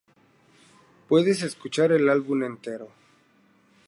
Puedes escuchar el álbum entero.